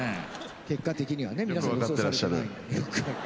結果的にはね皆さん予想されてない。